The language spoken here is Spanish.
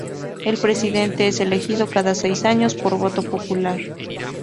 El presidente es elegido cada seis años por voto popular.